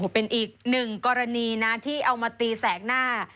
เป็นอีกหนึ่งกรณีนะที่เอามาตีแสกหน้า